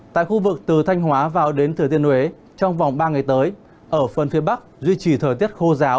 tại khu vực từ thanh hóa vào đến thừa thiên huế trong vòng ba ngày tới ở phần phía bắc duy trì thời tiết khô giáo